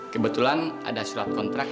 kebetulan ada surat kontrak